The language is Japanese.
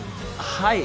はい。